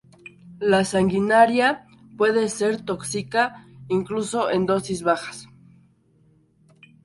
La sanguinaria puede ser tóxica incluso en dosis bajas.